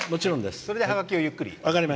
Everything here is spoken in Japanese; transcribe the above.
それでハガキをゆっくり。